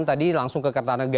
tadi langsung ke kertanegara